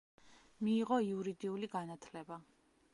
მიიღო იურიდიული განათლება.